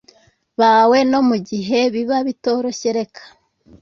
bawe no mu gihe biba bitoroshye reka